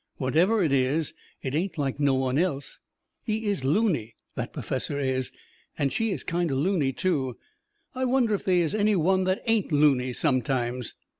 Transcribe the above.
Whatever it is, it ain't like no one else. He is looney, that perfessor is. And she is kind o' looney, too. I wonder if they is any one that ain't looney sometimes?"